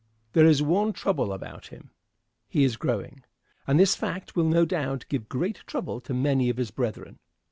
There is one trouble about him he is growing; and this fact will no doubt give great trouble to many of his brethren.